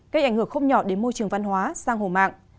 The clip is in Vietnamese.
gây ảnh hưởng không nhỏ đến môi trường văn hóa giang hồ mạng